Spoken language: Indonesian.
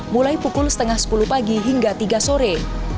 mulai pukul setengah sepuluh pagi hingga tiga sore